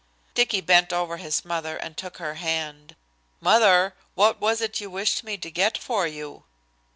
Dicky bent over his mother and took her hand. "Mother, what was it you wished me to get for you?"